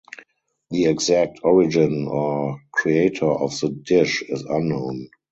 The exact origin or creator of the dish is unknown.